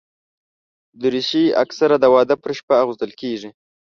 دریشي اکثره د واده پر شپه اغوستل کېږي.